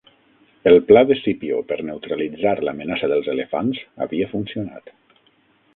El pla d'Escipió per neutralitzar l'amenaça dels elefants havia funcionat.